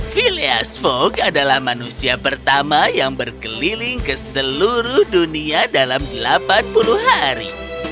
philias fok adalah manusia pertama yang berkeliling ke seluruh dunia dalam delapan puluh hari